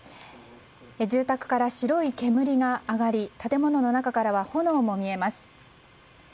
住宅から白い煙が上がり建物の中からは炎も見えます。